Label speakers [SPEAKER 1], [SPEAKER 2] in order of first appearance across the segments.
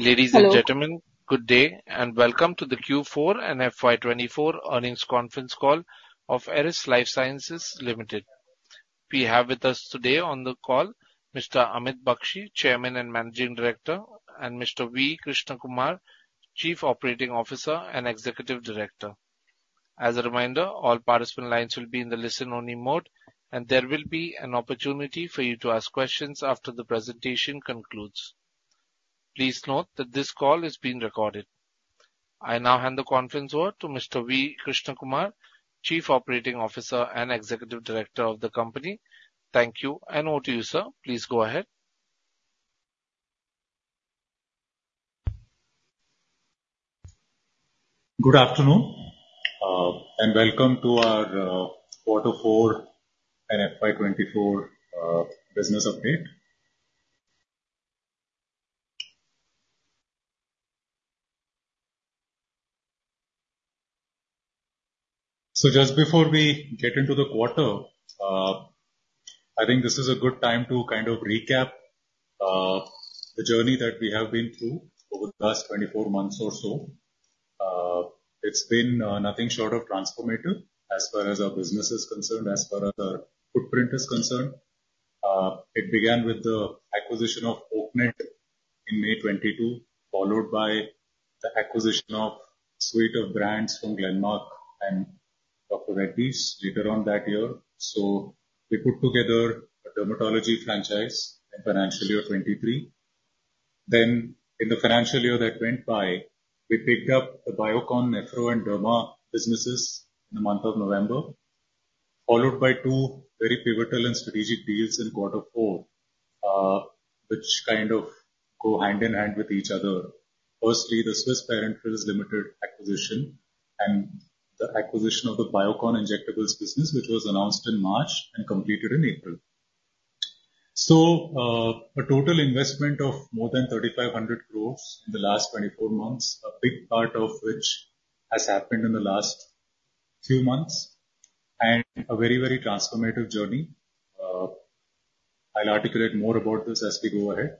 [SPEAKER 1] Ladies and gentlemen, good day, and welcome to the Q4 and FY 2024 earnings conference call of Eris Lifesciences Limited. We have with us today on the call Mr. Amit Bakshi, Chairman and Managing Director, and Mr. V. Krishnakumar, Chief Operating Officer and Executive Director. As a reminder, all participant lines will be in the listen-only mode, and there will be an opportunity for you to ask questions after the presentation concludes. Please note that this call is being recorded. I now hand the conference over to Mr. V. Krishnakumar, Chief Operating Officer and Executive Director of the company. Thank you, and over to you, sir. Please go ahead.
[SPEAKER 2] Good afternoon, and welcome to our quarter four and FY 2024 business update. So just before we get into the quarter, I think this is a good time to kind of recap the journey that we have been through over the last 24 months or so. It's been nothing short of transformative as far as our business is concerned, as far as our footprint is concerned. It began with the acquisition of Oaknet in May 2022, followed by the acquisition of suite of brands from Glenmark and Dr. Reddy's later on that year. So we put together a dermatology franchise in financial year 2023. Then, in the financial year that went by, we picked up the Biocon Nephro and Derma businesses in the month of November, followed by two very pivotal and strategic deals in quarter four, which kind of go hand in hand with each other. Firstly, the Swiss Parenterals Limited acquisition and the acquisition of the Biocon Injectables business, which was announced in March and completed in April. So, a total investment of more than 3,500 crores in the last 24 months, a big part of which has happened in the last few months, and a very, very transformative journey. I'll articulate more about this as we go ahead.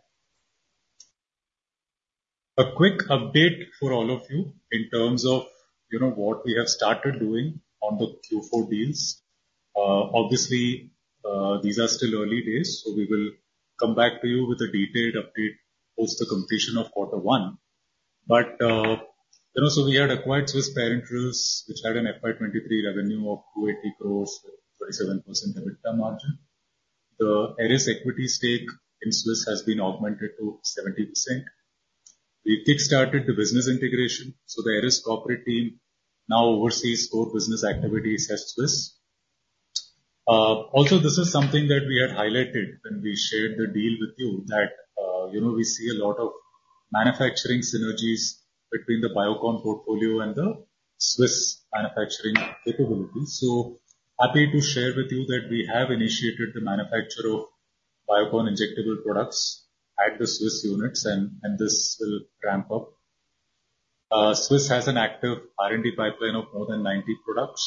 [SPEAKER 2] A quick update for all of you in terms of, you know, what we have started doing on the Q4 deals. Obviously, these are still early days, so we will come back to you with a detailed update post the completion of quarter one. But then also we had acquired Swiss Parenterals, which had an FY 2023 revenue of 280 crore, 37% EBITDA margin. The Eris equity stake in Swiss has been augmented to 70%. We kickstarted the business integration, so the Eris corporate team now oversees all business activities at Swiss. Also, this is something that we had highlighted when we shared the deal with you, that, you know, we see a lot of manufacturing synergies between the Biocon portfolio and the Swiss manufacturing capabilities. So happy to share with you that we have initiated the manufacture of Biocon injectable products at the Swiss units, and this will ramp up. Swiss has an active R&D pipeline of more than 90 products.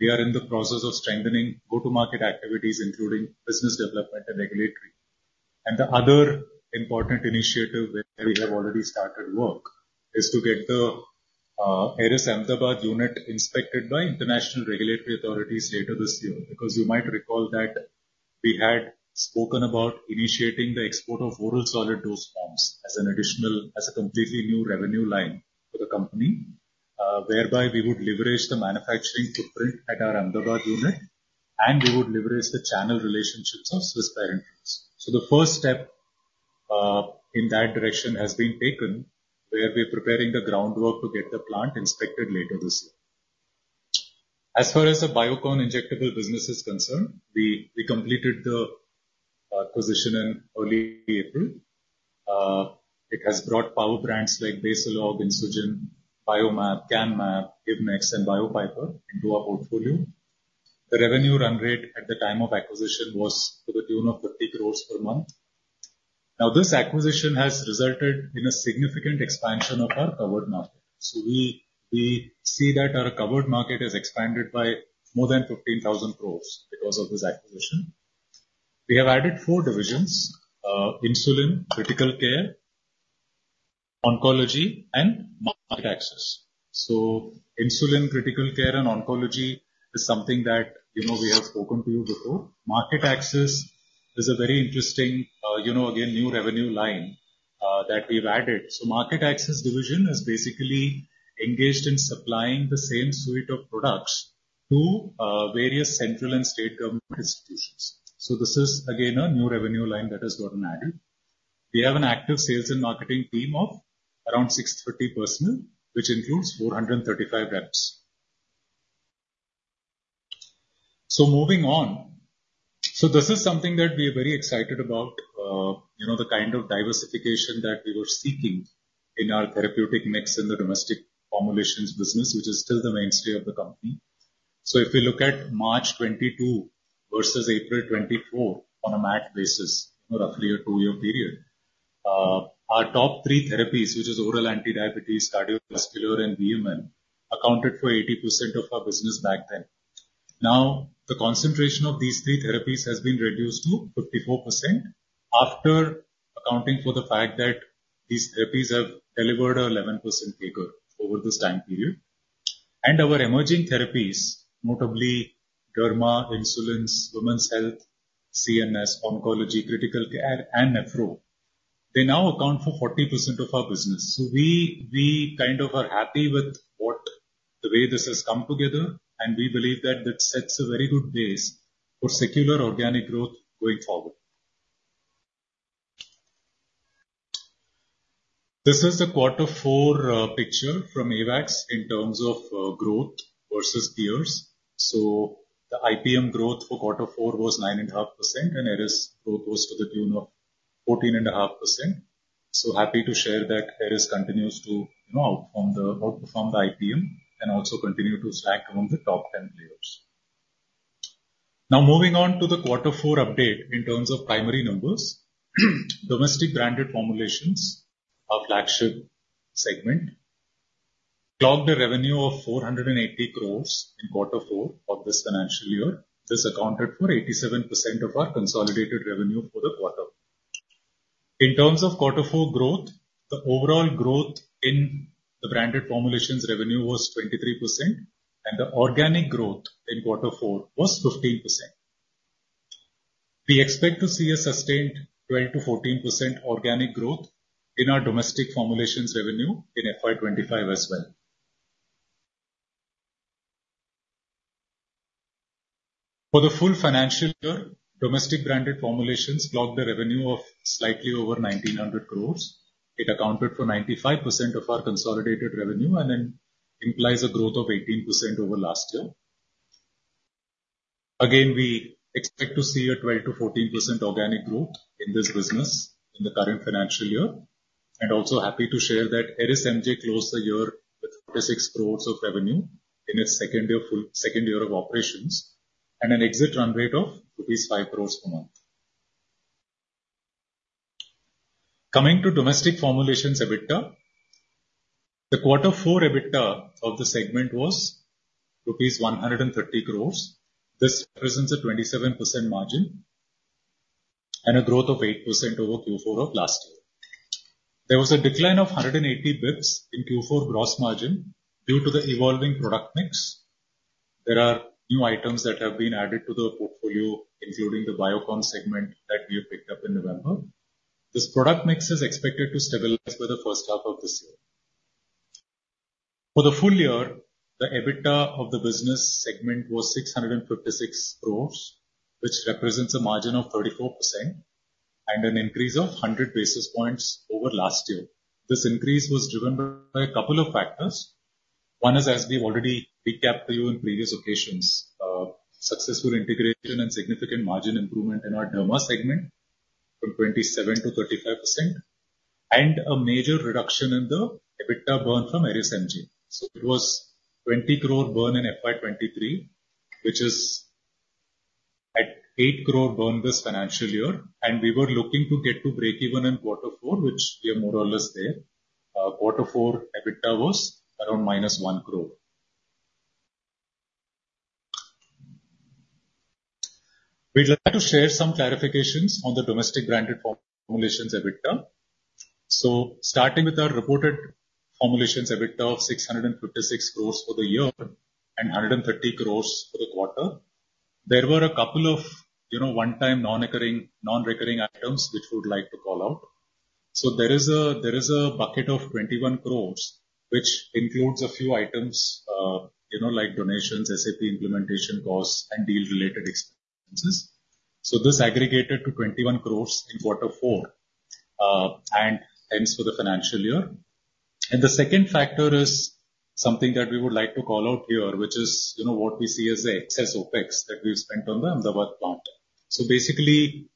[SPEAKER 2] We are in the process of strengthening go-to-market activities, including business development and regulatory. The other important initiative where we have already started work is to get the Eris Ahmedabad unit inspected by international regulatory authorities later this year. Because you might recall that we had spoken about initiating the export of oral solid dosage forms as an additional, as a completely new revenue line for the company, whereby we would leverage the manufacturing footprint at our Ahmedabad unit, and we would leverage the channel relationships of Swiss Parenterals. So the first step in that direction has been taken, where we're preparing the groundwork to get the plant inspected later this year. As far as the Biocon injectable business is concerned, we completed the acquisition in early April. It has brought power brands like Basalog, Insugen, Biomab, Canmab, Imnec, and Biopiper into our portfolio. The revenue run rate at the time of acquisition was to the tune of 30 crore per month. Now, this acquisition has resulted in a significant expansion of our covered market. So we see that our covered market has expanded by more than 15,000 crore because of this acquisition. We have added four divisions, insulin, critical care, oncology, and market access. So insulin, critical care and oncology is something that, you know, we have spoken to you before. Market access is a very interesting, you know, again, new revenue line that we've added. So market access division is basically engaged in supplying the same suite of products to various central and state government institutions. So this is again, a new revenue line that has gotten added. We have an active sales and marketing team of around 650 personnel, which includes 435 reps. So moving on. This is something that we are very excited about, you know, the kind of diversification that we were seeking in our therapeutic mix in the domestic formulations business, which is still the mainstay of the company. So if you look at March 2022 versus April 2024, on a MAT basis, roughly a two-year period, our top three therapies, which is oral anti-diabetes, cardiovascular, and VMN, accounted for 80% of our business back then. Now, the concentration of these three therapies has been reduced to 54%, after accounting for the fact that these therapies have delivered an 11% CAGR over this time period. Our emerging therapies, notably Derma, Insulins, Women's Health, CNS, Oncology, Critical Care, and Nephro, they now account for 40% of our business. So we kind of are happy with the way this has come together, and we believe that this sets a very good base for secular organic growth going forward. This is the Quarter four picture from AWACS in terms of growth versus peers. So the IPM growth for quarter four was 9.5%, and Eris growth was to the tune of 14.5%. So happy to share that Eris continues to, you know, outperform the IPM and also continue to rank among the top 10 players. Now moving on to the Quarter four update in terms of primary numbers. Domestic Branded Formulations, our flagship segment, clocked a revenue of 480 crores in Quarter four of this financial year. This accounted for 87% of our consolidated revenue for the quarter. In terms of Quarter four growth, the overall growth in the Branded Formulations revenue was 23%, and the organic growth in Quarter four was 15%. We expect to see a sustained 12%-14% organic growth in our Domestic Formulations revenue in FY 2025 as well. For the full financial year, Domestic Branded Formulations clocked a revenue of slightly over 1,900 crores. It accounted for 95% of our consolidated revenue and then implies a growth of 18% over last year. Again, we expect to see a 12%-14% organic growth in this business in the current financial year, and also happy to share that Eris MJ closed the year with 36 crore of revenue in its second year of operations, and an exit run rate of rupees 5 crore per month. Coming to Domestic Formulations EBITDA, the quarter four EBITDA of the segment was rupees 130 crore. This presents a 27% margin and a growth of 8% over Q4 of last year. There was a decline of 180 bps in Q4 gross margin due to the evolving product mix. There are new items that have been added to the portfolio, including the Biocon segment that we have picked up in November. This product mix is expected to stabilize by the first half of this year. For the full year, the EBITDA of the business segment was 656 crore, which represents a margin of 34% and an increase of 100 basis points over last year. This increase was driven by a couple of factors. One is, as we've already recapped for you on previous occasions, successful integration and significant margin improvement in our Derma segment from 27%-35%, and a major reduction in the EBITDA burn from Eris MJ. So it was 20 crore burn in FY 2023, which is at 8 crore burn this financial year, and we were looking to get to breakeven in quarter 4, which we are more or less there. Quarter 4 EBITDA was around -1 crore. We'd like to share some clarifications on the Domestic Branded Formulations EBITDA. So starting with our reported Formulations EBITDA of 656 crores for the year and 130 crores for the quarter, there were a couple of, you know, one-time non-occurring, non-recurring items which we would like to call out. So there is a, there is a bucket of 21 crores, which includes a few items, you know, like donations, SAP implementation costs, and deal-related expenses. So this aggregated to 21 crores in Quarter four and ends for the financial year. The second factor is something that we would like to call out here, which is, you know, what we see as the excess OpEx that we've spent on the Ahmedabad plant. So basically,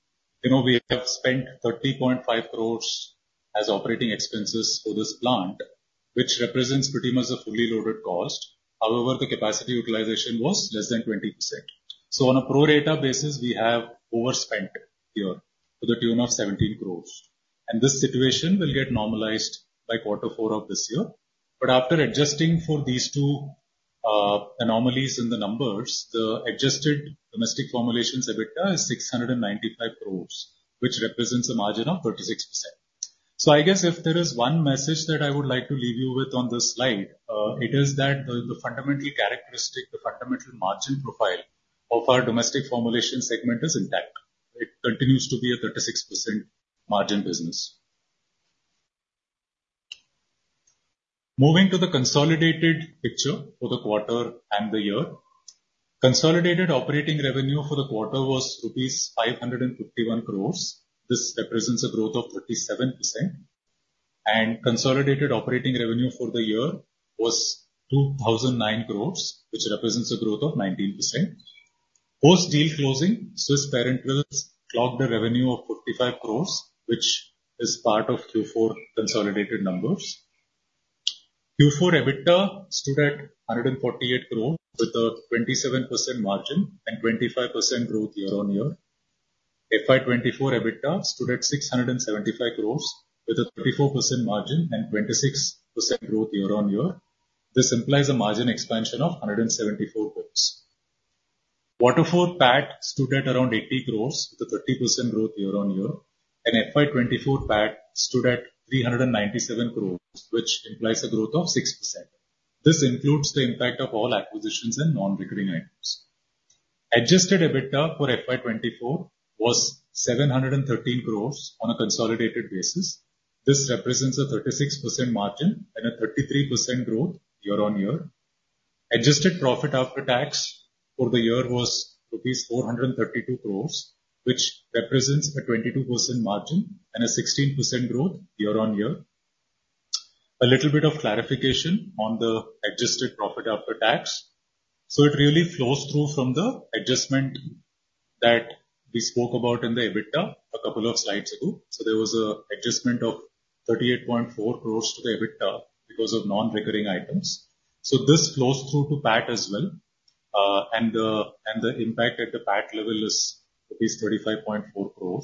[SPEAKER 2] you know, we have spent 30.5 crores as operating expenses for this plant, which represents pretty much a fully loaded cost. However, the capacity utilization was less than 20%. So on a pro rata basis, we have overspent here to the tune of 17 crore, and this situation will get normalized by Quarter four of this year. But after adjusting for these two anomalies in the numbers, the adjusted Domestic Formulations EBITDA is 695 crore, which represents a margin of 36%. So I guess if there is one message that I would like to leave you with on this slide, it is that the fundamental characteristic, the fundamental margin profile of our Domestic Formulation segment is intact. It continues to be a 36% margin business. Moving to the consolidated picture for the quarter and the year. Consolidated operating revenue for the quarter was rupees 551 crore. This represents a growth of 37%, and consolidated operating revenue for the year was 2,009 crore, which represents a growth of 19%. Post-deal closing, Swiss Parenterals clocked a revenue of 55 crore, which is part of Q4 consolidated numbers. Q4 EBITDA stood at 148 crore, with a 27% margin and 25% growth year-on-year. FY 2024 EBITDA stood at 675 crore, with a 34% margin and 26% growth year-on-year. This implies a margin expansion of 174 basis points. Quarter four PAT stood at around 80 crore, with a 30% growth year-on-year, and FY 2024 PAT stood at 397 crore, which implies a growth of 6%. This includes the impact of all acquisitions and non-recurring items. Adjusted EBITDA for FY 2024 was 713 crore on a consolidated basis. This represents a 36% margin and a 33% growth year-on-year. Adjusted profit after tax for the year was rupees 432 crore, which represents a 22% margin and a 16% growth year-on-year. A little bit of clarification on the adjusted profit after tax. So it really flows through from the adjustment that we spoke about in the EBITDA a couple of slides ago. So there was an adjustment of 38.4 crore to the EBITDA because of non-recurring items. So this flows through to PAT as well, and the impact at the PAT level is at least 35.4 crore.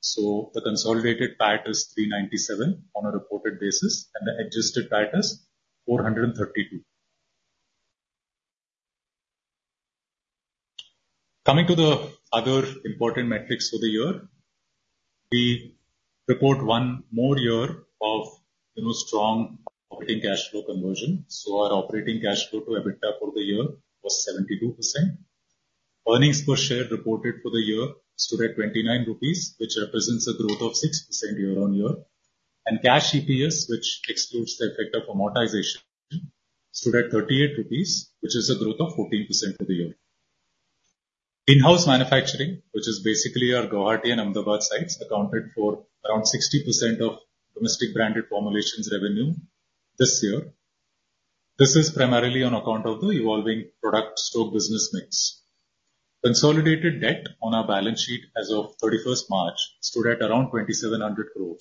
[SPEAKER 2] So the consolidated PAT is 397 crore on a reported basis, and the Adjusted PAT is 432 crore. Coming to the other important metrics for the year, we report one more year of, you know, strong operating cash flow conversion. So our operating cash flow to EBITDA for the year was 72%. Earnings per share reported for the year stood at 29 rupees, which represents a growth of 6% year-on-year, and cash EPS, which excludes the effect of amortization, stood at 38 rupees, which is a growth of 14% for the year. In-house manufacturing, which is basically our Guwahati and Ahmedabad sites, accounted for around 60% of domestic branded formulations revenue this year. This is primarily on account of the evolving product store business mix. Consolidated debt on our balance sheet as of thirty-first March stood at around 2,700 crore.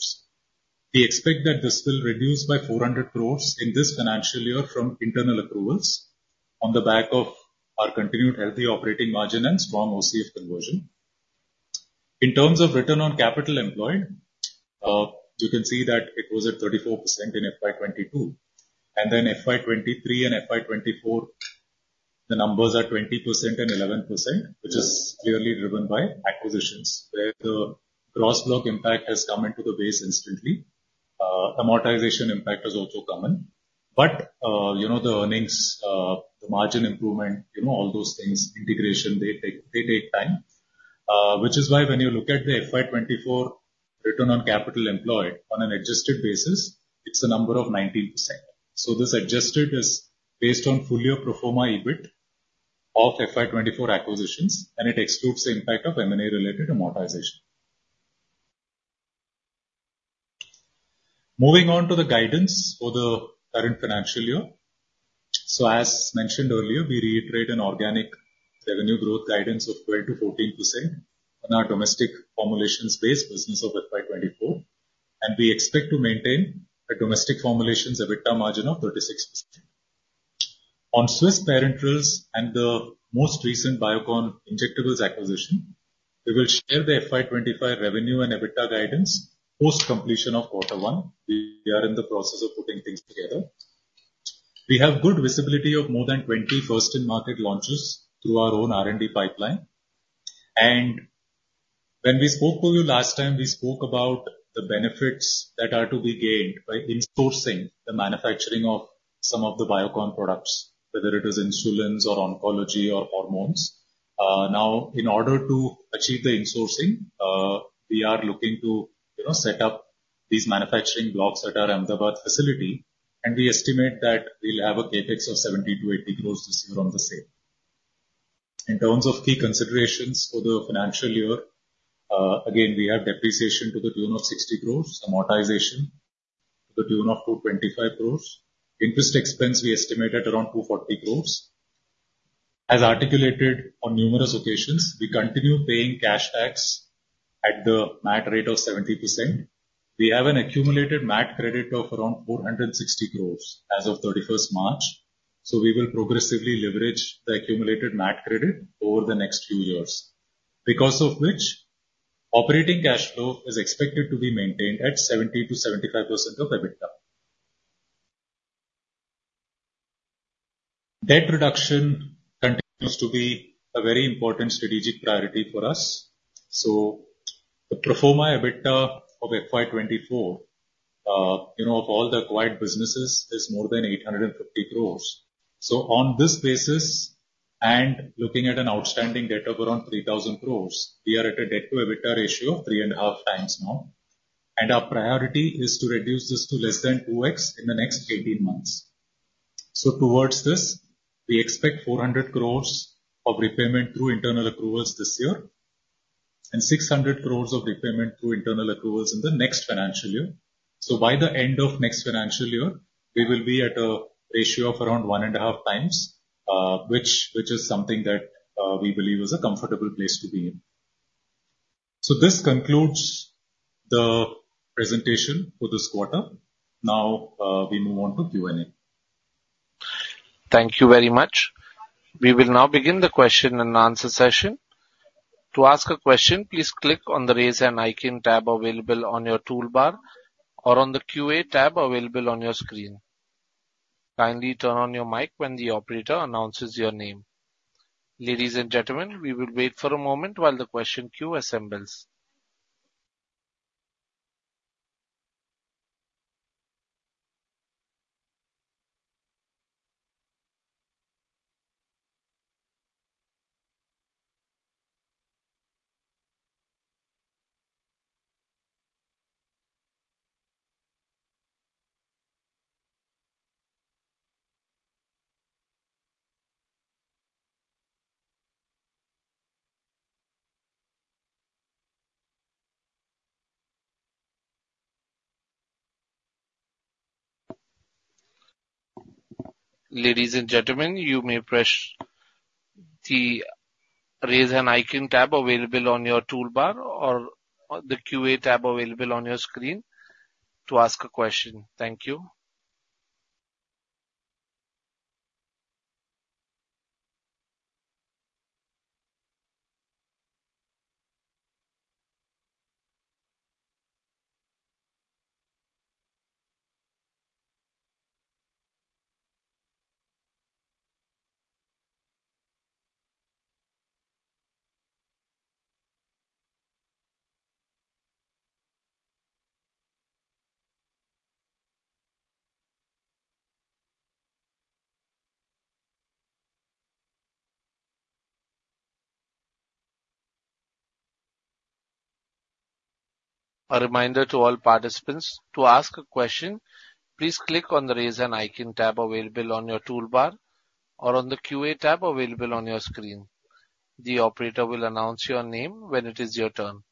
[SPEAKER 2] We expect that this will reduce by 400 crore in this financial year from internal accruals on the back of our continued healthy operating margin and strong OCF conversion. In terms of return on capital employed, you can see that it was at 34% in FY 2022, and then FY 2023 and FY 2024, the numbers are 20% and 11%, which is clearly driven by acquisitions, where the gross block impact has come into the base instantly. Amortization impact has also come in, but, you know, the earnings, the margin improvement, you know, all those things, integration, they take, they take time. Which is why when you look at the FY 2024 return on capital employed on an adjusted basis, it's a number of 19%. So this adjusted is based on full year pro forma EBIT of FY 2024 acquisitions, and it excludes the impact of M&A-related amortization. Moving on to the guidance for the current financial year. So as mentioned earlier, we reiterate an organic revenue growth guidance of 12%-14% in our domestic formulations-based business of FY 2024, and we expect to maintain a domestic formulations EBITDA margin of 36%. On Swiss Parenterals and the most recent Biocon Injectables acquisition, we will share the FY 2025 revenue and EBITDA guidance post-completion of quarter one. We are in the process of putting things together. We have good visibility of more than 20 first-in-market launches through our own R&D pipeline. When we spoke to you last time, we spoke about the benefits that are to be gained by insourcing the manufacturing of some of the Biocon products, whether it is insulins or oncology or hormones. Now, in order to achieve the insourcing, we are looking to, you know, set up these manufacturing blocks at our Ahmedabad facility, and we estimate that we'll have a CapEx of 70-80 crores this year on the same. In terms of key considerations for the financial year, again, we have depreciation to the tune of 60 crores, amortization to the tune of 225 crores. Interest expense, we estimate at around 240 crores. As articulated on numerous occasions, we continue paying cash tax at the MAT rate of 70%. We have an accumulated MAT credit of around 460 crore as of thirty-first March, so we will progressively leverage the accumulated MAT credit over the next few years, because of which operating cash flow is expected to be maintained at 70%-75% of EBITDA. Debt reduction continues to be a very important strategic priority for us. So the pro forma EBITDA of FY 2024, you know, of all the acquired businesses, is more than 850 crore. So on this basis, and looking at an outstanding debt of around 3,000 crore, we are at a debt-to-EBITDA ratio of 3.5x now, and our priority is to reduce this to less than 2x in the next eighteen months. Towards this, we expect 400 crore of repayment through internal approvals this year and 600 crore of repayment through internal approvals in the next financial year. By the end of next financial year, we will be at a ratio of around 1.5 times, which, which is something that we believe is a comfortable place to be in. This concludes the presentation for this quarter. Now, we move on to Q&A.
[SPEAKER 1] Thank you very much. We will now begin the question and answer session. To ask a question, please click on the Raise Hand icon tab available on your toolbar or on the QA tab available on your screen. Kindly turn on your mic when the operator announces your name. Ladies and gentlemen, we will wait for a moment while the question queue assembles. Ladies and gentlemen, you may press the Raise Hand icon tab available on your toolbar or the QA tab available on your screen to ask a question. Thank you. A reminder to all participants, to ask a question, please click on the Raise Hand icon tab available on your toolbar or on the QA tab available on your screen. The operator will announce your name when it is your turn.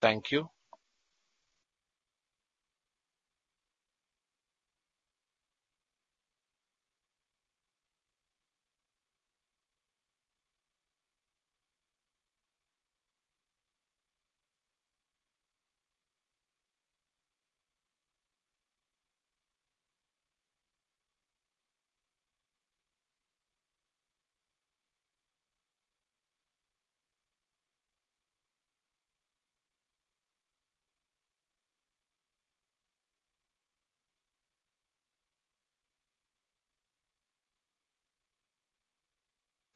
[SPEAKER 1] Thank you.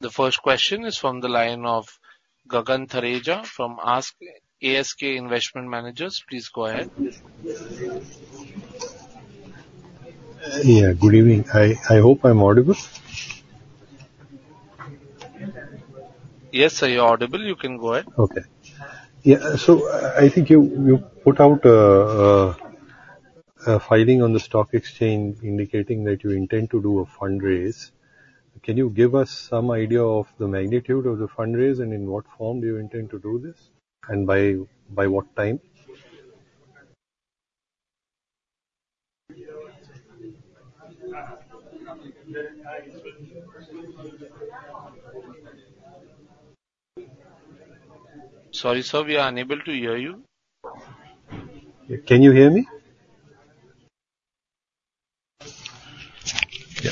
[SPEAKER 1] The first question is from the line of Gagan Thareja from ASK, ASK Investment Managers. Please go ahead.
[SPEAKER 3] Yeah, good evening. I hope I'm audible?
[SPEAKER 1] Yes, sir, you're audible. You can go ahead.
[SPEAKER 3] Okay. Yeah, so I think you put out a filing on the stock exchange indicating that you intend to do a fundraise. Can you give us some idea of the magnitude of the fundraise, and in what form do you intend to do this, and by what time?
[SPEAKER 1] Sorry, sir, we are unable to hear you.
[SPEAKER 3] Can you hear me?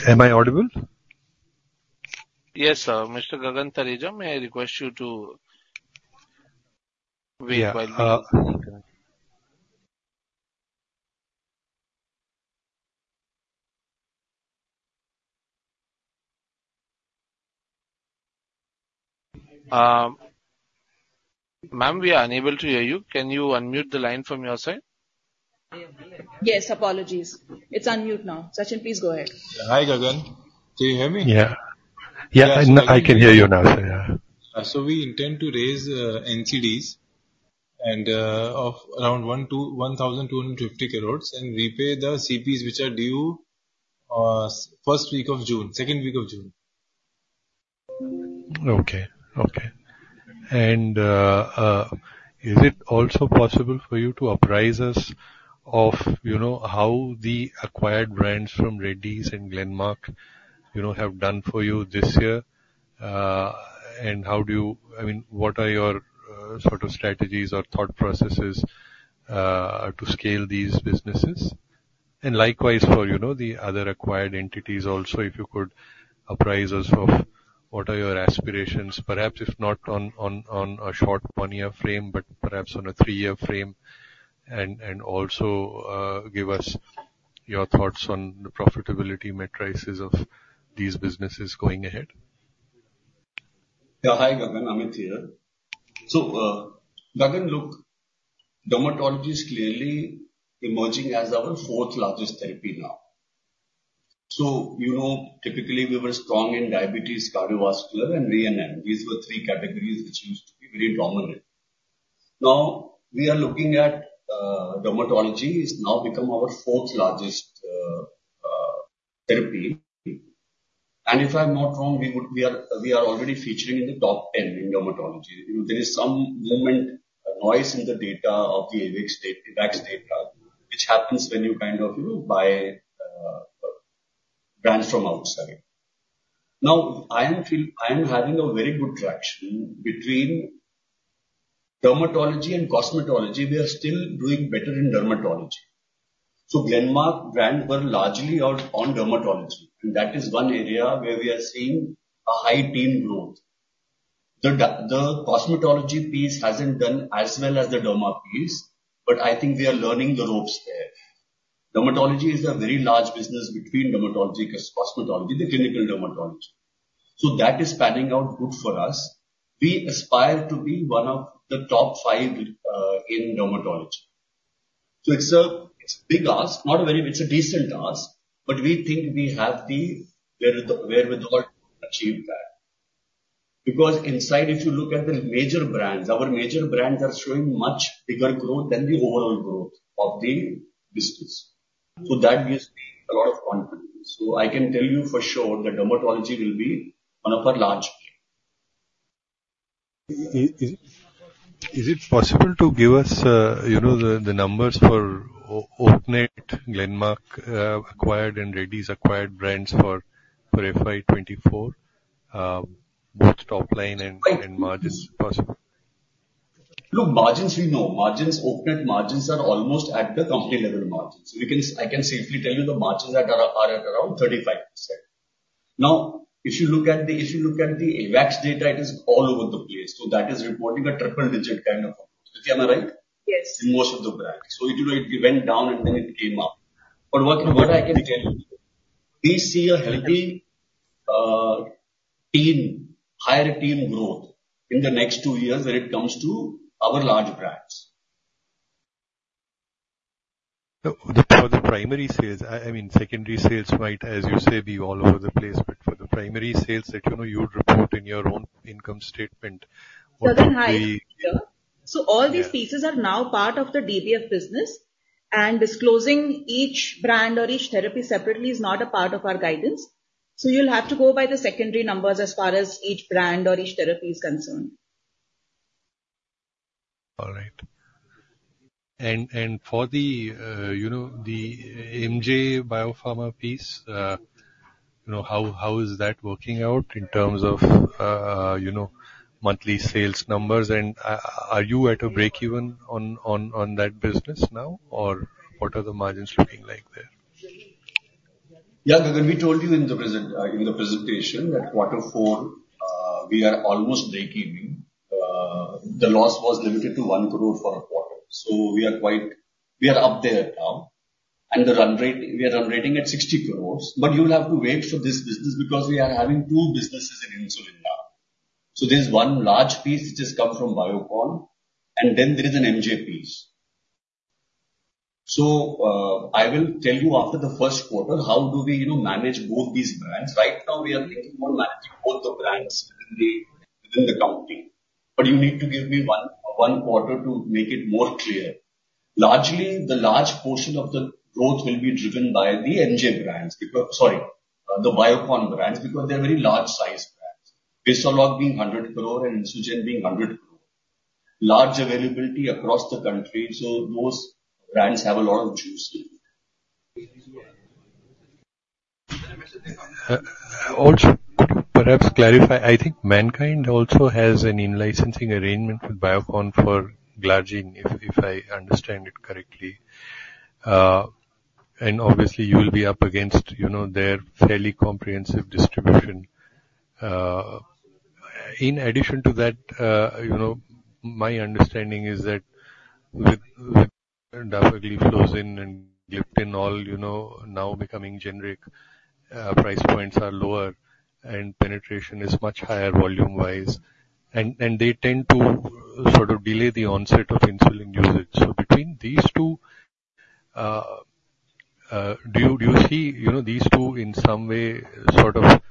[SPEAKER 3] Am I audible?
[SPEAKER 1] Yes, Mr. Gagan Thareja, may I request you to wait while-
[SPEAKER 3] Yeah. Uh.
[SPEAKER 1] Ma'am, we are unable to hear you. Can you unmute the line from your side?
[SPEAKER 4] Yes, apologies. It's unmuted now. Sachin, please go ahead.
[SPEAKER 5] Hi, Gagan. Can you hear me?
[SPEAKER 3] Yeah. Yeah, I, I can hear you now, yeah.
[SPEAKER 5] We intend to raise NCDs and of around 1 crore-1,250 crores and repay the CPs which are due first week of June, second week of June.
[SPEAKER 3] Okay. Okay. And is it also possible for you to apprise us of, you know, how the acquired brands from Reddy's and Glenmark, you know, have done for you this year? And how do you. I mean, what are your sort of strategies or thought processes to scale these businesses? And likewise, for, you know, the other acquired entities also, if you could apprise us of what are your aspirations, perhaps if not on a short one-year frame, but perhaps on a three-year frame, and also give us your thoughts on the profitability matrices of these businesses going ahead.
[SPEAKER 5] Yeah. Hi, Gagan, Amit here. So, Gagan, look, dermatology is clearly emerging as our fourth largest therapy now. So, you know, typically we were strong in diabetes, cardiovascular, and VMN. These were three categories which used to be very dominant. Now, we are looking at dermatology. It's now become our fourth largest therapy. And if I'm not wrong, we are already featuring in the top 10 in dermatology. You know, there is some little bit noise in the data of the AWACS, AWACS data, which happens when you kind of, you know, buy brands from outside. Now, I am having a very good traction between dermatology and cosmetology, we are still doing better in dermatology. So Glenmark brand were largely on, on dermatology, and that is one area where we are seeing a high teen growth. The cosmetology piece hasn't done as well as the derma piece, but I think we are learning the ropes there. Dermatology is a very large business between dermatology, cosmetology, the clinical dermatology. So that is panning out good for us. We aspire to be one of the top five in dermatology. So it's a, it's a big ask, not a very it's a decent ask, but we think we have the wherewithal to achieve that. Because inside, if you look at the major brands, our major brands are showing much bigger growth than the overall growth of the business. So that gives me a lot of confidence. So I can tell you for sure that dermatology will be one of our large.
[SPEAKER 3] Is it possible to give us, you know, the numbers for Oaknet, Glenmark acquired and Reddy's acquired brands for FY 2024, both top line and margins, possible?
[SPEAKER 5] Look, margins we know. Margins, Oaknet margins are almost at the company level margins. I can safely tell you the margins at Eris are at around 35%. Now, if you look at the, if you look at the AWACS data, it is all over the place. So that is reporting a triple-digit kind of approach. Am I right?
[SPEAKER 4] Yes.
[SPEAKER 5] In most of the brands. So it, you know, it went down and then it came up. But what I can tell you, we see a healthy teen, higher teen growth in the next two years when it comes to our large brands.
[SPEAKER 3] So for the primary sales, I mean, secondary sales might, as you say, be all over the place, but for the primary sales that, you know, you would report in your own income statement, what would be-
[SPEAKER 4] So then, hi. So all these pieces are now part of the DBF business, and disclosing each brand or each therapy separately is not a part of our guidance. So you'll have to go by the secondary numbers as far as each brand or each therapy is concerned.
[SPEAKER 3] All right. And for the, you know, the MJ Biopharm piece, you know, how is that working out in terms of, you know, monthly sales numbers? And are you at a break even on that business now, or what are the margins looking like there?
[SPEAKER 5] Yeah, Gagan, we told you in the present, in the presentation, that quarter four, we are almost breaking even. The loss was limited to 1 crore for a quarter. So we are quite-- we are up there now. And the run rate, we are run rating at 60 crores. But you will have to wait for this business because we are having two businesses in insulin now. So there's one large piece which has come from Biocon, and then there is an MJ piece. So, I will tell you after the first quarter, how do we, you know, manage both these brands? Right now, we are getting more managing both the brands within the, within the company. But you need to give me one, one quarter to make it more clear. Largely, the large portion of the growth will be driven by the MJ brands, because... Sorry, the Biocon brands, because they are very large sized brands. Basalog being 100 crore and Insugen being 100 crore. Large availability across the country, so those brands have a lot of juice to it.
[SPEAKER 3] Also, perhaps clarify, I think Mankind also has an in-licensing arrangement with Biocon for glargine, if I understand it correctly. And obviously you will be up against, you know, their fairly comprehensive distribution. In addition to that, you know, my understanding is that with dapagliflozin and gliptin and all, you know, now becoming generic, price points are lower and penetration is much higher volume-wise, and they tend to sort of delay the onset of insulin usage. So between these two, do you see, you know, these two in some way, sort of,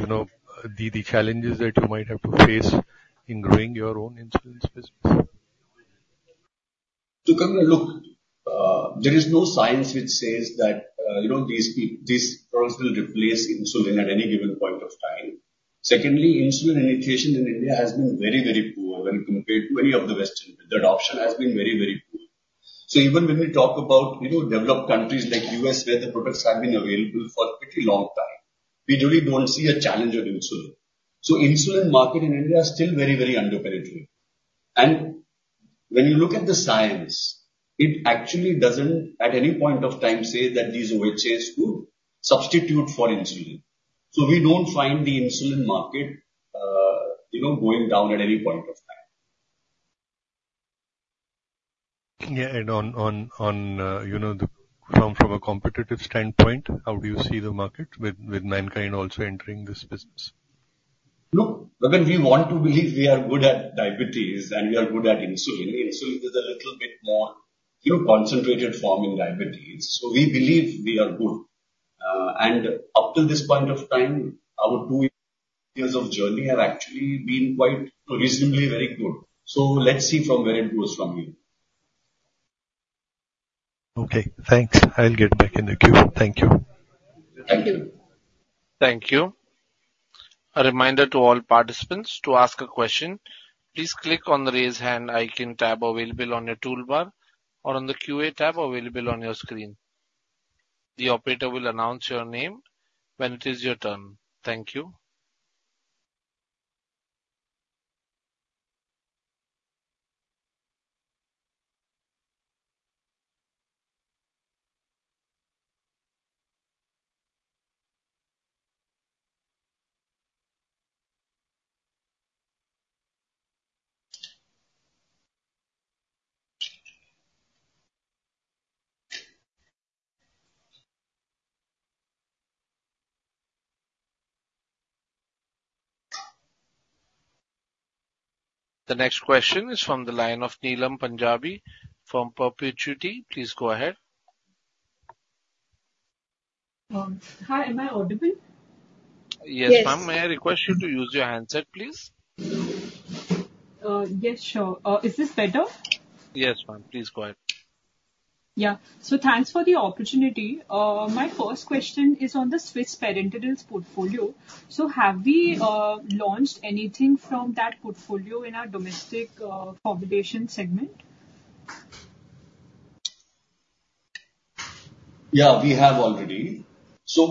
[SPEAKER 3] you know, the challenges that you might have to face in growing your own insulin business?
[SPEAKER 5] So Gagan, look, there is no science which says that, you know, these products will replace insulin at any given point of time. Secondly, insulin education in India has been very, very poor when compared to any of the Western, the adoption has been very, very poor. So even when we talk about, you know, developed countries like U.S., where the products have been available for pretty long time, we really don't see a challenge of insulin. So insulin market in India is still very, very underpenetrated. And when you look at the science, it actually doesn't at any point of time say that these OHAs could substitute for insulin. So we don't find the insulin market, you know, going down at any point of time.
[SPEAKER 3] Yeah, and on, you know, from a competitive standpoint, how do you see the market with Mankind also entering this business?
[SPEAKER 5] Look, Gagan, we want to believe we are good at diabetes and we are good at insulin. Insulin is a little bit more, more concentrated form in diabetes. So we believe we are good. And up till this point of time, our two years of journey have actually been quite reasonably very good. So let's see from where it goes from here.
[SPEAKER 3] Okay, thanks. I'll get back in the queue. Thank you.
[SPEAKER 4] Thank you.
[SPEAKER 1] `you. A reminder to all participants, to ask a question, please click on the Raise Hand icon tab available on your toolbar or on the QA tab available on your screen. The operator will announce your name when it is your turn. Thank you. The next question is from the line of Neelam Punjabi from Perpetuity. Please go ahead.
[SPEAKER 6] Hi, am I audible?
[SPEAKER 1] Yes, ma'am.
[SPEAKER 2] Yes.
[SPEAKER 1] May I request you to use your handset, please?
[SPEAKER 6] Yes, sure. Is this better?
[SPEAKER 1] Yes, ma'am. Please go ahead.
[SPEAKER 6] Yeah. So thanks for the opportunity. My first question is on the Swiss Parenterals portfolio. So have we launched anything from that portfolio in our domestic population segment?
[SPEAKER 2] Yeah, we have already. So,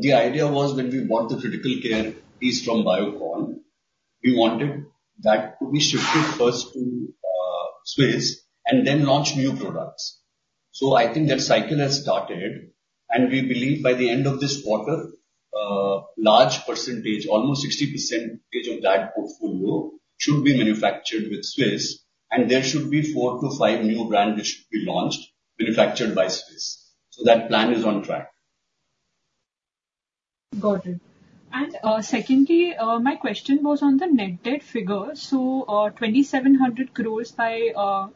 [SPEAKER 2] the idea was when we bought the critical care piece from Biocon, we wanted that to be shifted first to, Swiss and then launch new products. So I think that cycle has started, and we believe by the end of this quarter, large percentage, almost 60% of that portfolio should be manufactured with Swiss, and there should be 4-5 new brand which should be launched, manufactured by Swiss. So that plan is on track.
[SPEAKER 6] Got it. And, secondly, my question was on the net debt figure. So, 2,700 crore by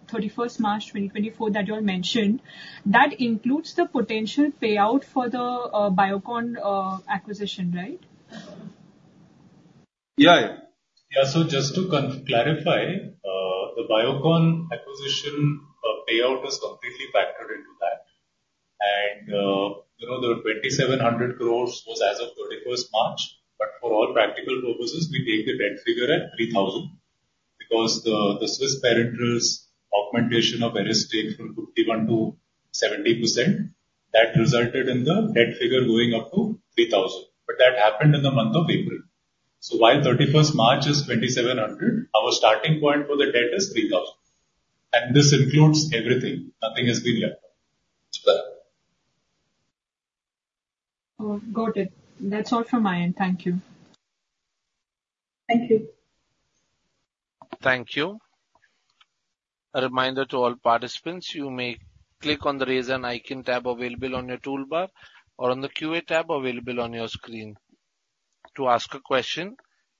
[SPEAKER 6] 31st March 2024, that you all mentioned, that includes the potential payout for the Biocon acquisition, right?
[SPEAKER 2] Yeah. Yeah. So just to clarify, the Biocon acquisition payout is completely factored into that. And, you know, the 2,700 crore was as of March 31st, but for all practical purposes, we take the debt figure at 3,000 crore, because the Swiss Parenterals augmentation of our estate from 51% to 70%, that resulted in the debt figure going up to 3,000 crore. But that happened in the month of April. So while March 31st is 2,700 crore, our starting point for the debt is 3,000 crore. And this includes everything. Nothing has been left out.
[SPEAKER 6] Oh, got it. That's all from my end. Thank you.
[SPEAKER 2] Thank you.
[SPEAKER 1] Thank you. A reminder to all participants, you may click on the Raise Hand icon tab available on your toolbar, or on the QA tab available on your screen. To ask a question,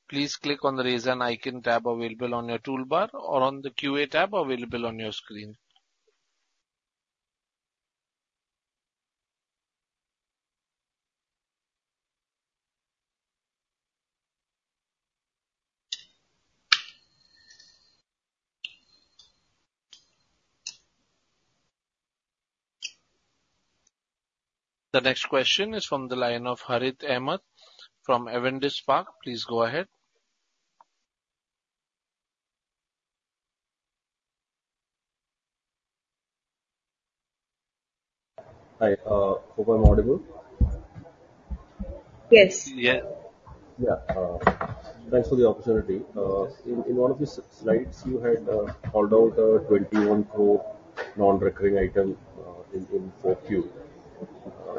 [SPEAKER 1] please click on the Raise Hand icon tab available on your toolbar or on the QA tab available on your screen. The next question is from the line of Harit Ahamed from Avendus Spark. Please go ahead.
[SPEAKER 7] Hi, hope I'm audible.
[SPEAKER 4] Yes.
[SPEAKER 1] Yeah.
[SPEAKER 7] Yeah. Thanks for the opportunity. In one of the slides, you had called out 21 crore non-recurring item in Q4.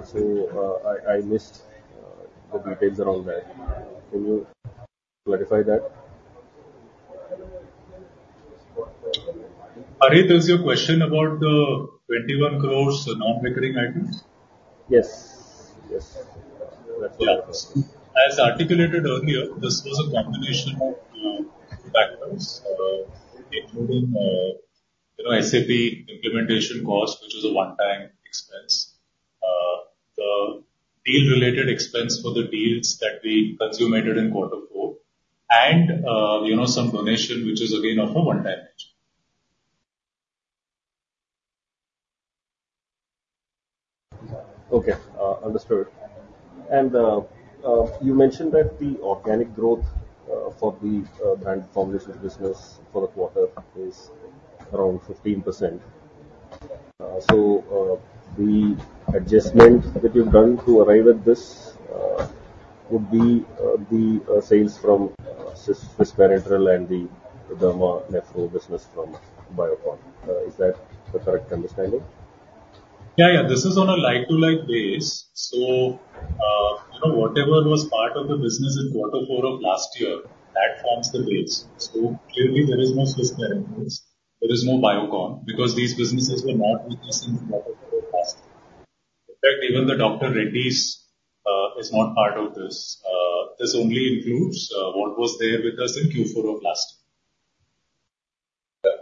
[SPEAKER 7] So, I missed the details around that. Can you clarify that?
[SPEAKER 2] Harit, is your question about the 21 crore non-recurring items?
[SPEAKER 7] Yes. Yes.
[SPEAKER 2] Yeah. As articulated earlier, this was a combination of factors, including, you know, SAP implementation cost, which is a one-time expense. The deal related expense for the deals that we consummated in quarter four, and, you know, some donation, which is again of a one-time nature.
[SPEAKER 7] Okay, understood. And, you mentioned that the organic growth for the brand formulations business for the quarter is around 15%. So, the adjustment that you've done to arrive at this would be the sales from Swiss Parenterals and the Derma Nephro business from Biocon. Is that the correct understanding?
[SPEAKER 2] Yeah, yeah. This is on a like-to-like basis. So, you know, whatever was part of the business in quarter four of last year, that forms the base. So clearly, there is no Swiss Parenterals, there is no Biocon, because these businesses were not with us in quarter four of last year. In fact, even the Dr. Reddy's is not part of this. This only includes what was there with us in Q four of last year.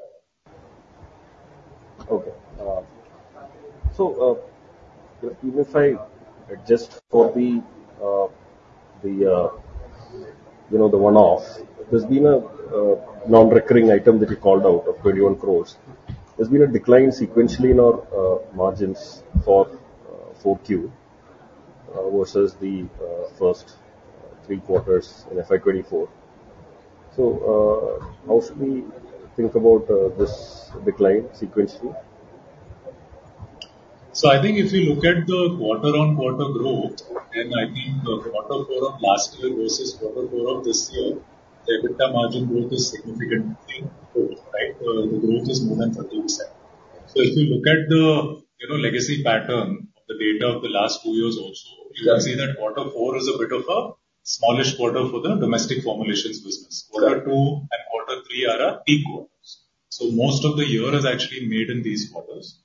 [SPEAKER 2] Yeah.
[SPEAKER 7] Okay. So, even if I adjust for the you know, the one-off, there's been a non-recurring item that you called out of 21 crore. There's been a decline sequentially in our margins for Q4....
[SPEAKER 8] versus the first three quarters in FY24. So, how should we think about this decline sequentially?
[SPEAKER 2] So I think if you look at the quarter-on-quarter growth, then I think the quarter four of last year versus quarter four of this year, the EBITDA margin growth is significantly good, right? The growth is more than 30%. So if you look at the, you know, legacy pattern of the data of the last two years also-
[SPEAKER 5] Yeah.
[SPEAKER 2] You will see that quarter four is a bit of a smallish quarter for the domestic formulations business.
[SPEAKER 5] Yeah.
[SPEAKER 2] Quarter two and quarter three are our peak quarters. So most of the year is actually made in these quarters.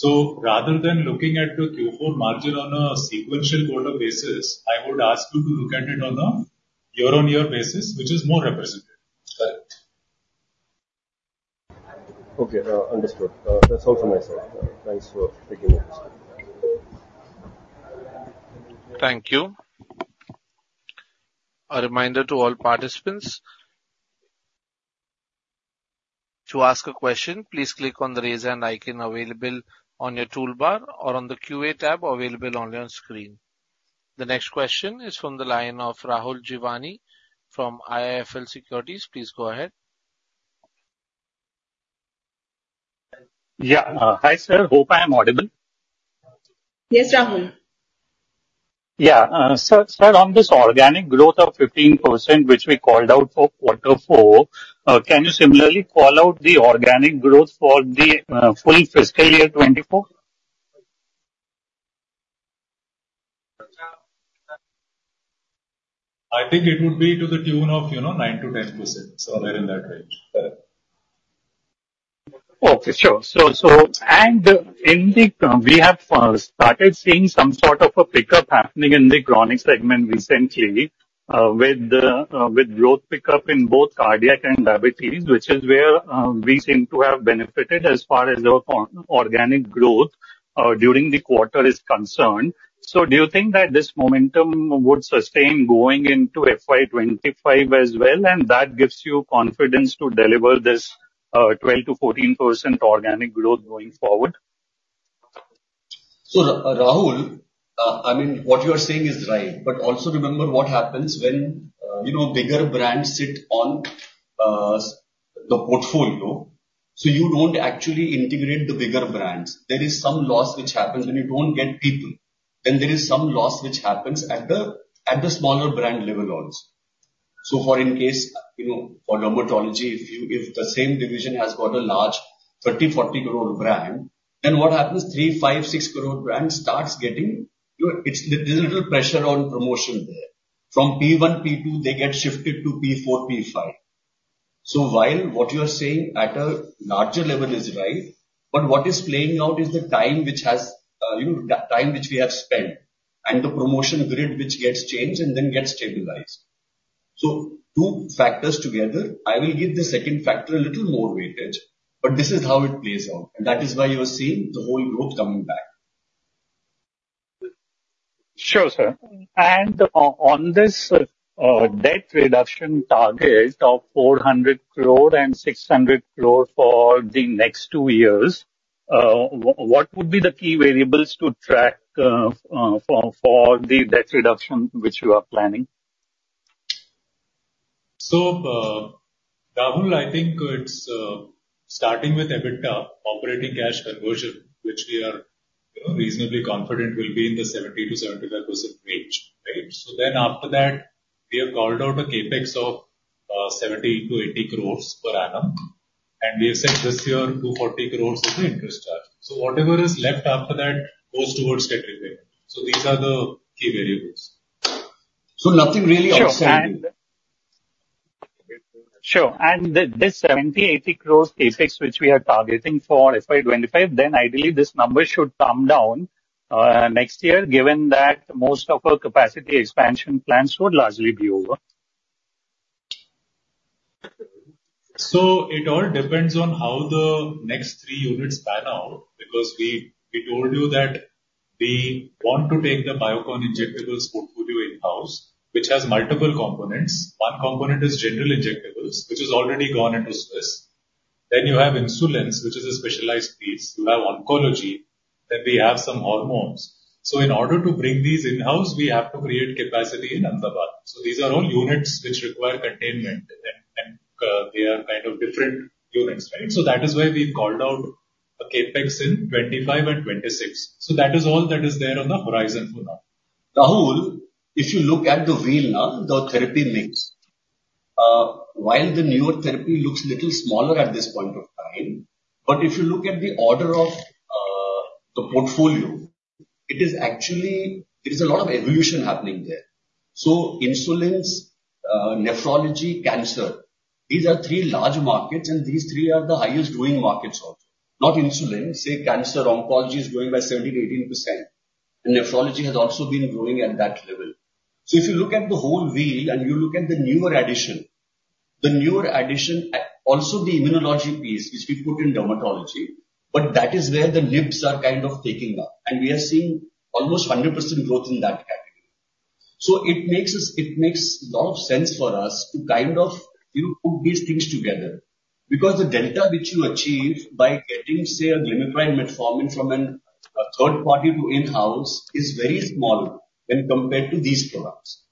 [SPEAKER 2] So rather than looking at the Q4 margin on a sequential quarter basis, I would ask you to look at it on a year-on-year basis, which is more representative.
[SPEAKER 5] Right. Okay, understood. That's all from my side. Thanks for taking me.
[SPEAKER 1] Thank you. A reminder to all participants: to ask a question, please click on the Raise Hand icon available on your toolbar or on the QA tab available on your screen. The next question is from the line of Rahul Jeewani from IIFL Securities. Please go ahead.
[SPEAKER 9] Yeah. Hi, sir. Hope I am audible.
[SPEAKER 5] Yes, Rahul.
[SPEAKER 9] Yeah. So, sir, on this organic growth of 15%, which we called out for quarter four, can you similarly call out the organic growth for the full fiscal year 2024?
[SPEAKER 2] I think it would be to the tune of, you know, 9%-10%, somewhere in that range.
[SPEAKER 9] Okay, sure. We have started seeing some sort of a pickup happening in the chronic segment recently, with growth pickup in both cardiac and diabetes, which is where we seem to have benefited as far as our core organic growth during the quarter is concerned. So do you think that this momentum would sustain going into FY 2025 as well, and that gives you confidence to deliver this 12%-14% organic growth going forward?
[SPEAKER 5] So, Rahul, I mean, what you are saying is right, but also remember what happens when, you know, bigger brands sit on, the portfolio. So you don't actually integrate the bigger brands. There is some loss which happens when you don't get people, then there is some loss which happens at the smaller brand level also. So for instance, you know, for dermatology, if the same division has got a large 30-40 crore brand, then what happens? 3, 5, 6 crore brand starts getting, you know, it's, there's a little pressure on promotion there. From P1, P2, they get shifted to P4, P5. So while what you are saying at a larger level is right, but what is playing out is the time which has, you know, the time which we have spent and the promotion grid which gets changed and then gets stabilized. So two factors together, I will give the second factor a little more weightage, but this is how it plays out, and that is why you are seeing the whole growth coming back.
[SPEAKER 9] Sure, sir. And on this debt reduction target of 400 crore and 600 crore for the next two years, what would be the key variables to track for the debt reduction which you are planning?
[SPEAKER 2] So, Rahul, I think it's starting with EBITDA, operating cash conversion, which we are, you know, reasonably confident will be in the 70%-75% range. Right. So then after that, we have called out a CapEx of 70-80 crores per annum, and we have said this year, 240 crores of the interest charge. So whatever is left after that goes towards debt repayment. So these are the key variables.
[SPEAKER 5] So nothing really outside-
[SPEAKER 9] Sure. Sure, and this 70 crore-80 crore CapEx, which we are targeting for FY 25, then ideally, this number should come down next year, given that most of our capacity expansion plans would largely be over.
[SPEAKER 2] So it all depends on how the next three units pan out, because we, we told you that we want to take the Biocon injectables portfolio in-house, which has multiple components. One component is general injectables, which has already gone into Swiss. Then you have insulins, which is a specialized piece. You have oncology, then we have some hormones. So in order to bring these in-house, we have to create capacity in Ahmedabad. So these are all units which require containment, and, and, they are kind of different units, right? So that is why we called out a CapEx in 2025 and 2026. So that is all that is there on the horizon for now.
[SPEAKER 5] Rahul, if you look at the wheel, the therapy mix, while the newer therapy looks little smaller at this point of time, but if you look at the order of, the portfolio, it is actually, there is a lot of evolution happening there. So insulins, nephrology, cancer, these are three large markets, and these three are the highest growing markets also. Not insulin, say, cancer, oncology is growing by 17%-18%, and nephrology has also been growing at that level. So if you look at the whole wheel and you look at the newer addition, the newer addition, also the immunology piece, which we put in dermatology, but that is where the lifts are kind of taking up, and we are seeing almost 100% growth in that category. So it makes, it makes a lot of sense for us to kind of, you know, put these things together. Because the delta which you achieve by getting, say, a Glimepiride Metformin from an, a third party to in-house, is very small when compared to these products.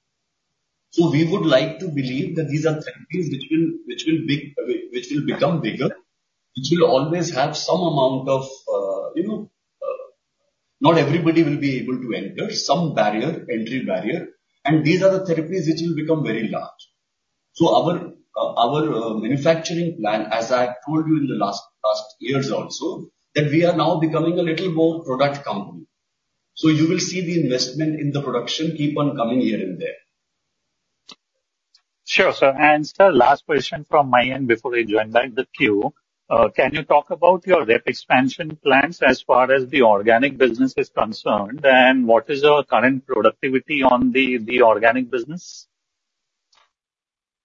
[SPEAKER 5] So we would like to believe that these are therapies which will, which will be, which will become bigger, which will always have some amount of, you know, not everybody will be able to enter, some entry barrier. And these are the therapies which will become very large. So our manufacturing plan, as I told you in the last years also, that we are now becoming a little more product company. So you will see the investment in the production keep on coming here and there.
[SPEAKER 2] Sure, sir. Sir, last question from my end before I join back the queue. Can you talk about your rep expansion plans as far as the organic business is concerned, and what is your current productivity on the organic business?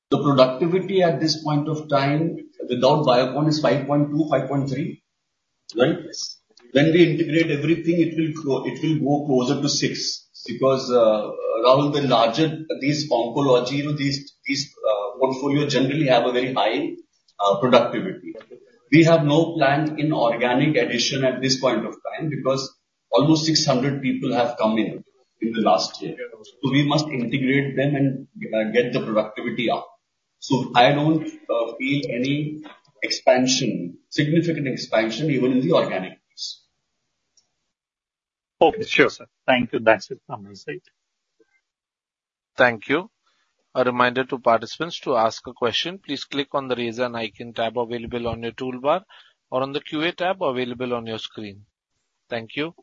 [SPEAKER 5] The productivity at this point of time, without Biocon, is 5.2-5.3, right?
[SPEAKER 2] Yes.
[SPEAKER 5] When we integrate everything, it will grow, it will go closer to six, because, around the larger, these oncology, you know, these, these, portfolio generally have a very high, productivity. We have no plan in organic addition at this point of time, because almost 600 people have come in in the last year. So we must integrate them and, get the productivity up. So I don't, see any expansion, significant expansion, even in the organic space.
[SPEAKER 2] Okay, sure, sir. Thank you. That's it from my side.
[SPEAKER 1] Thank you. A reminder to participants: to ask a question, please click on the Raise Hand tab available on your toolbar or on the Q&A tab available on your screen. Thank you.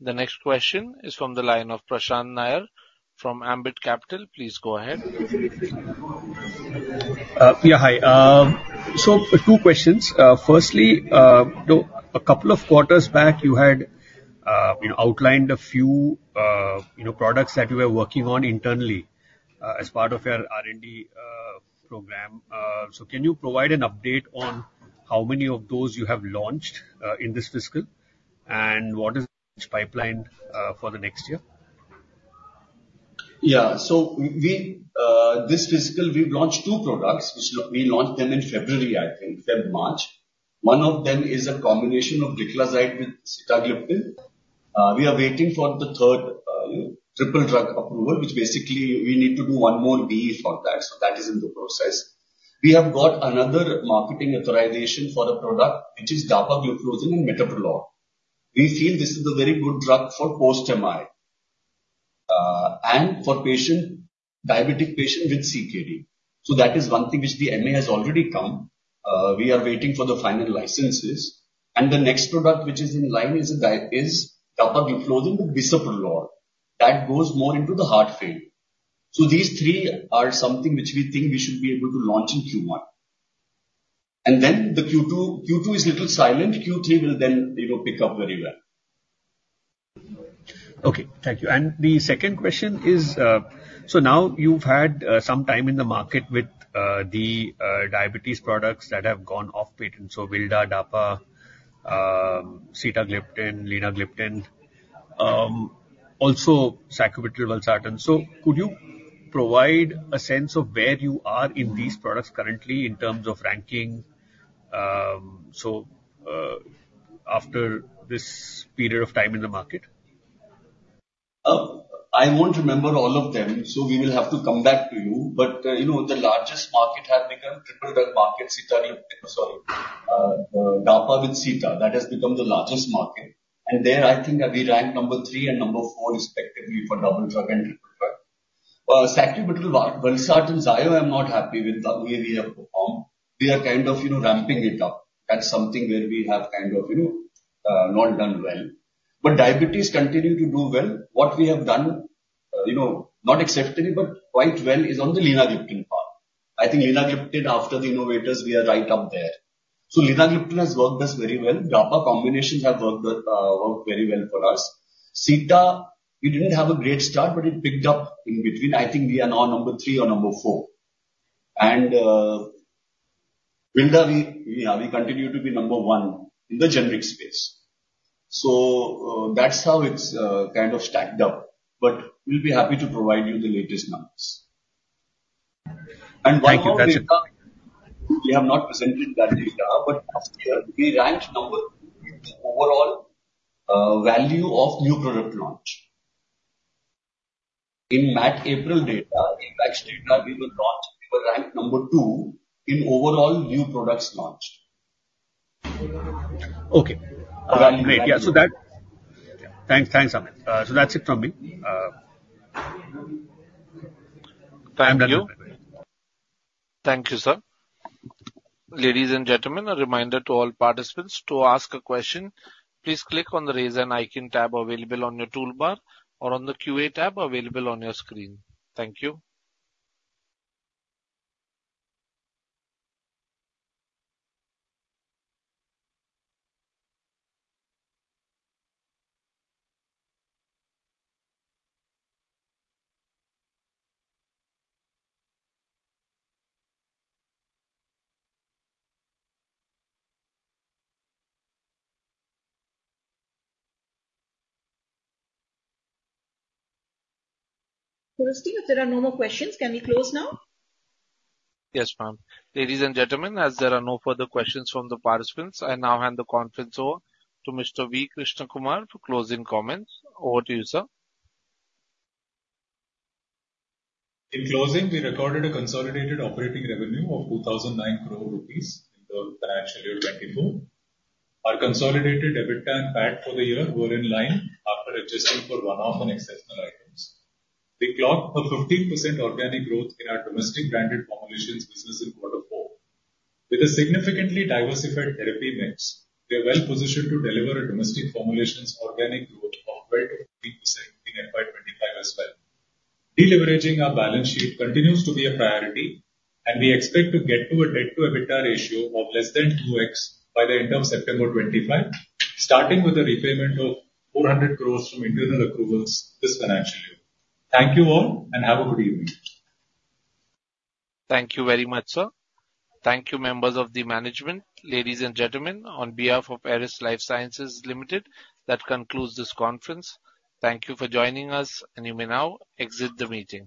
[SPEAKER 1] The next question is from the line of Prashant Nair from Ambit Capital. Please go ahead.
[SPEAKER 10] Yeah, hi. So two questions. Firstly, so a couple of quarters back, you had, you know, outlined a few, you know, products that you were working on internally, as part of your R&D program. So can you provide an update on how many of those you have launched, in this fiscal? And what is the pipeline, for the next year?
[SPEAKER 5] Yeah. So we, this fiscal, we've launched two products. Which we launched them in February, I think, February, March. One of them is a combination of Glipizide with Sitagliptin. We are waiting for the third, you know, triple drug approval, which basically we need to do one more BE for that, so that is in the process. We have got another marketing authorization for a product which is Dapagliflozin and Metoprolol. We feel this is a very good drug for post MI, and for patient, diabetic patient with CKD. So that is one thing which the MA has already come. We are waiting for the final licenses. And the next product, which is in line, is Dapagliflozin with Bisoprolol. That goes more into the heart failure. So these three are something which we think we should be able to launch in Q1. And then the Q2, Q2 is little silent. Q3 will then, you know, pick up very well.
[SPEAKER 10] Okay, thank you. And the second question is, so now you've had some time in the market with the diabetes products that have gone off patent, so Vilda, Dapa, Sitagliptin, Linagliptin, also Sacubitril Valsartan. So could you provide a sense of where you are in these products currently in terms of ranking, so after this period of time in the market?
[SPEAKER 5] I won't remember all of them, so we will have to come back to you. But, you know, the largest market has become triple drug market, Sitagliptin, sorry, Dapa with Sita. That has become the largest market. And there, I think that we rank number three and number four, respectively, for double drug and triple drug. Sacubitril Valsartan, Zayo, I'm not happy with the way we have performed. We are kind of, you know, ramping it up. That's something where we have kind of, you know, not done well. But diabetes continue to do well. What we have done, you know, not exceptionally, but quite well, is on the Linagliptin part. I think Linagliptin, after the innovators, we are right up there. So Linagliptin has worked us very well. Dapa combinations have worked with, worked very well for us. Sita, we didn't have a great start, but it picked up in between. I think we are now number three or number four. And Vilda, we, yeah, we continue to be number one in the generic space. So, that's how it's kind of stacked up. But we'll be happy to provide you the latest numbers.
[SPEAKER 10] Thank you, sir.
[SPEAKER 5] We have not presented that data, but last year we ranked number two in the overall value of new product launch. In March, April data, in March data, we were launched, we were ranked number 2 in overall new products launched.
[SPEAKER 10] Okay. Great. Yeah, so that... Thanks. Thanks, Amit. So that's it from me. I am done.
[SPEAKER 1] Thank you. Thank you, sir. Ladies and gentlemen, a reminder to all participants to ask a question, please click on the Raise an Icon tab available on your toolbar, or on the QA tab available on your screen. Thank you.
[SPEAKER 4] Christine, if there are no more questions, can we close now?
[SPEAKER 1] Yes, ma'am. Ladies and gentlemen, as there are no further questions from the participants, I now hand the conference over to Mr. V. Krishnakumar for closing comments. Over to you, sir.
[SPEAKER 2] In closing, we recorded a consolidated operating revenue of 2,009 crore rupees in the financial year 2024. Our consolidated EBITDA and PAT for the year were in line after adjusting for one-off and exceptional items. We clocked a 15% organic growth in our domestic branded formulations business in quarter four. With a significantly diversified therapy mix, we are well positioned to deliver a domestic formulations organic growth of 12%-15% in FY 2025 as well. Deleveraging our balance sheet continues to be a priority, and we expect to get to a debt to EBITDA ratio of less than 2x by the end of September 2025, starting with a repayment of 400 crore from internal accruals this financial year. Thank you all, and have a good evening.
[SPEAKER 1] Thank you very much, sir. Thank you, members of the management. Ladies and gentlemen, on behalf of Eris Lifesciences Limited, that concludes this conference. Thank you for joining us, and you may now exit the meeting.